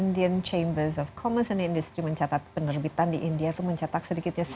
dalam program ini untuk membahas